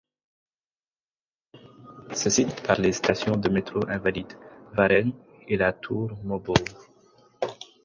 Ce site est desservi par les stations de métro Invalides, Varenne et La Tour-Maubourg.